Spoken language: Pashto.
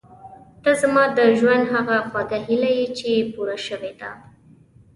ته زما د ژوند هغه خوږه هیله یې چې پوره شوې ده.